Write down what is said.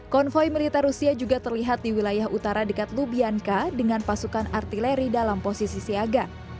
konvoy militer rusia juga terlihat di wilayah utara dekat lubianka dengan pasukan artileri dalam posisi siaga